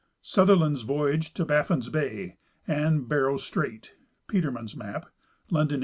Sutherland's Voyage to Baffin's Bay and Barrow Strait (Peterman's map), London, 1852.